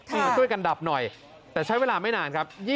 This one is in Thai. มาช่วยกันดับหน่อยแต่ใช้เวลาไม่นานครับ